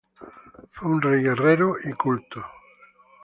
Fue un rey guerrero y culto.